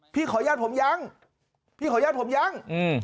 พี่ขอแยกผมยังพี่ขอแยกผมยัง